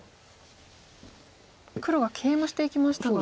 黒がケイマしていきましたが。